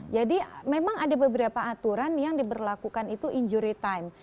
jadi memang ada beberapa aturan yang diberlakukan itu injury time